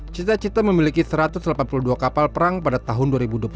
cita cita memiliki satu ratus delapan puluh dua kapal perang pada tahun dua ribu dua puluh satu